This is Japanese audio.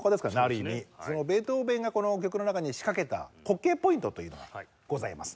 そのベートーヴェンがこの曲の中に仕掛けた滑稽ポイントというのがございます。